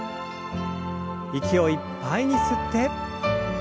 息をいっぱいに吸って。